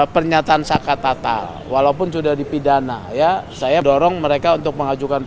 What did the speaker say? pernyataan sakat tatal walaupun sudah dipidana saya mendorong mereka untuk mengajukan pk